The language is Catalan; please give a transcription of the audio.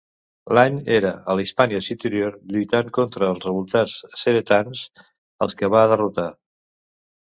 L'any era a la Hispània Citerior lluitant contra els revoltats ceretans, als que va derrotar.